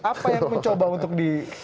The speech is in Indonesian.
apa yang mencoba untuk di